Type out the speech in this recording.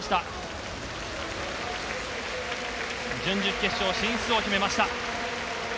準々決勝進出を決めました。